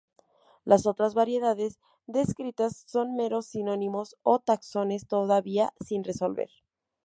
Las otras variedades descritas son meros sinónimos o taxones todavía sin resolver.